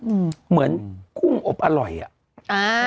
เหมือนกุ้งอบอร่อยอ่ะอ่า